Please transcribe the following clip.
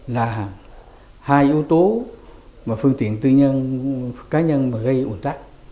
là hai ô tô và phương tiện tư nhân cá nhân mà gây ổn tắc